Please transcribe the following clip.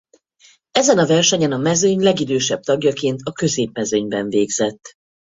Ezen a versenyen a mezőny legidősebb tagjaként a középmezőnyben végzett.